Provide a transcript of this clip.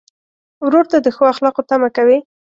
ورور ته د ښو اخلاقو تمه کوې.